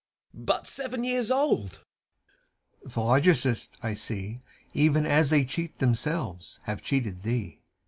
But seven years old! — CHIRON. Philologists, I see, Even as they cheat themselves, have cheated tiiee.